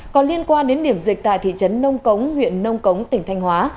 còn liên quan đến điểm dịch tại thị trấn nông cống huyện nông cống tỉnh thanh hóa